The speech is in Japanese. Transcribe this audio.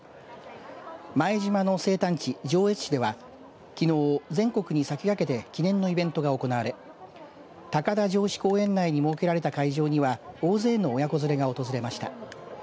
前島の生誕地、上越市ではきのう、全国に先駆けて記念のイベントが行われ高田城址公園内に設けられた会場には大勢の親子連れが訪れました。